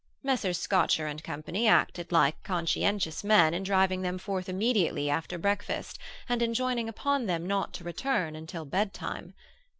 Messrs. Scotcher and Co. acted like conscientious men in driving them forth immediately after breakfast, and enjoining upon them not to return until bedtime.